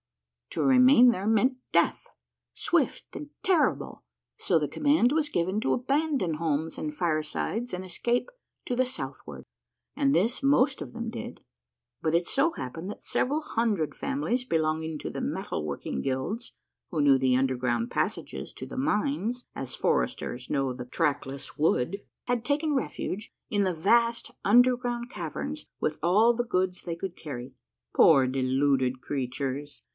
To remain there meant death, swift and terrible, so the command was given to abandon homes and fire sides and escape to the southward, and this most of them did. But it so happened that several hundred families belonging to the metal working guilds, who knew the underground passages to the mines as foresters know the pathless wood, had taken refuge in the vast underground caverns with all the goods they could carry. Poor deluded creatures